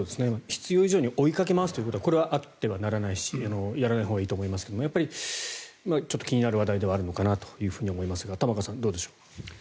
必要以上に追いかけ回すことはあってはならないしやらないほうがいいと思いますがちょっと気になる話題なのかなとは思いますが玉川さんどうでしょう。